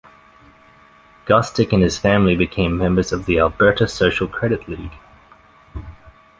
Gostick and his family became members of the Alberta Social Credit League.